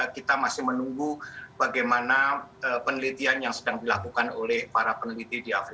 kita masih menunggu bagaimana penelitian yang sedang dilakukan oleh para peneliti di afrika